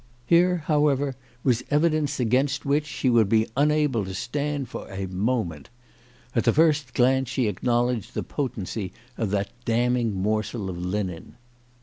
Here, however, was evidence against which she would be unable to stand for a moment. At the first glance she acknowledged the potency of that damning morsel of linen.